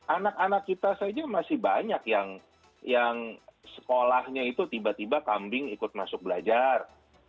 anak anak kita saja masih banyak yang sekolahnya itu tiba tiba kambing ikut masuk belajar